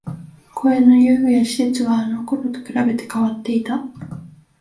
公園の遊具や設備はあのころと比べて変わっていた